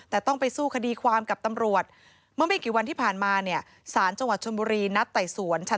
แต่ต้องไปสู้คดีความกับตำรวจ